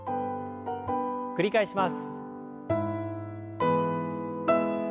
繰り返します。